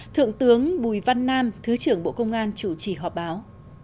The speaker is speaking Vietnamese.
thượng tướng bùi văn nam thứ trưởng bộ công an chủ trì họp báo